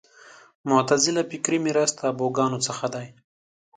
معتزله فکري میراث تابوګانو څخه دی